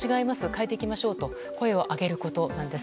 変えていきましょうと声を上げることです。